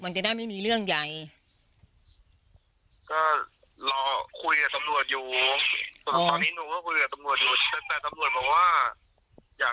มันจะได้ไม่มีเรื่องใหญ่ก็รอคุยกับตำรวจอยู่ตอนนี้